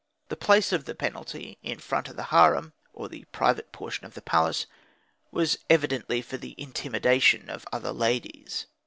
The place of the penalty, in front of the harem, or the private portion of the palace, was evidently for the intimidation of other ladies.